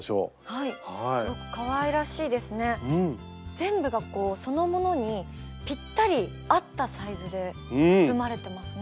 全部がこうそのものにぴったり合ったサイズで包まれてますね。